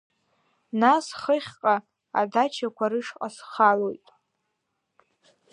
Нас хыхьҟа Адачақәа рышҟа схалоит.